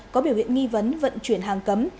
có biểu hiện nghi vấn vận chuyển hàng cấm